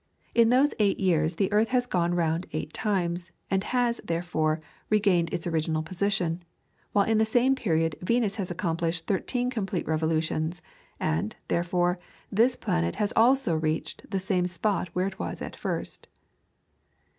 In those eight years the earth has gone round eight times, and has, therefore, regained its original position, while in the same period Venus has accomplished thirteen complete revolutions, and, therefore, this planet also has reached the same spot where it was at first.